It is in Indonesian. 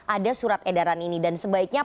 ada surat edaran ini dan sebaiknya